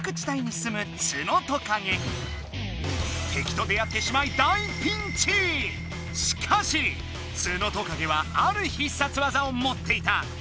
敵と出会ってしまいしかしツノトカゲはある必殺技をもっていた。